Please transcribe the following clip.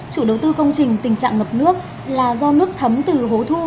chủ đầu tư công trình tình trạng ngập nước là do nước thấm từ hố thu